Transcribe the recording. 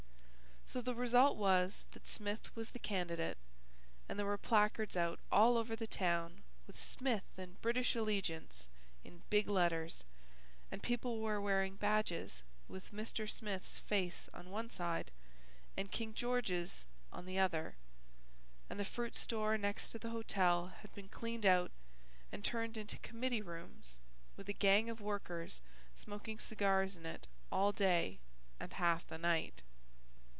So the result was that Smith was the candidate and there were placards out all over the town with SMITH AND BRITISH ALLEGIANCE in big letters, and people were wearing badges with Mr. Smith's face on one side and King George's on the other, and the fruit store next to the hotel had been cleaned out and turned into committee rooms with a gang of workers smoking cigars in it all day and half the night.